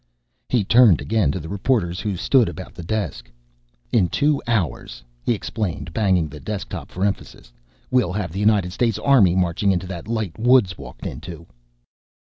He turned again to the reporters who stood about the desk. "In two hours," he explained, banging the desk top for emphasis, "we'll have the United States Army marching into that light Woods walked into!"